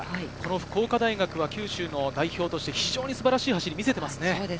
福岡大学は九州の代表として、非常に素晴らしい走りを見せていますね。